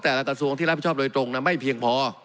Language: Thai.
แต่ละส่วนที่รับผู้ชอบโดยตรงไม่เพียงพอ